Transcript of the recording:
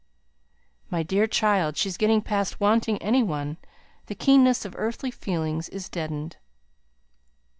"My dear child, she's getting past wanting any one! The keenness of earthly feelings is deadened."